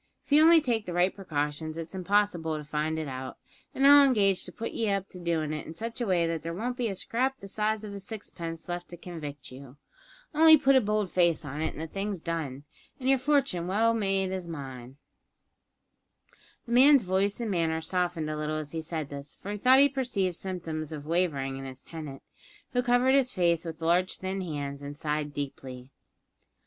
If you only take the right precautions it's impossible to find it out, an' I'll engage to put ye up to doin' it in such a way that there won't be a scrap the size of a sixpence left to convict you. Only put a bold face on it and the thing's done, and your fortune made as well as mine." The man's voice and manner softened a little as he said this, for he thought he perceived symptoms of wavering in his tenant, who covered his face with his large thin hands and sighed deeply.